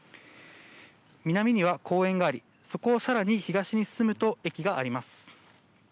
南には公園がありそこを更に東に進むと駅があります。